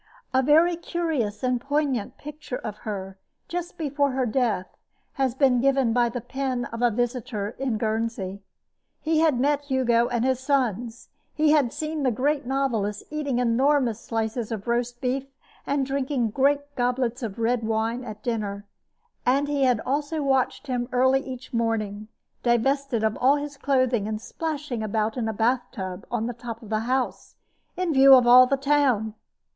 A very curious and poignant picture of her just before her death has been given by the pen of a visitor in Guernsey. He had met Hugo and his sons; he had seen the great novelist eating enormous slices of roast beef and drinking great goblets of red wine at dinner, and he had also watched him early each morning, divested of all his clothing and splashing about in a bath tub on the top of his house, in view of all the town.